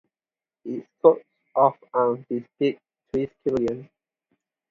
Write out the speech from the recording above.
Its coat of arms depicts a triskelion.